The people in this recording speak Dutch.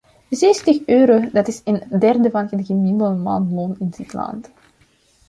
Zestig euro, dat is een derde van het gemiddelde maandloon in dit land.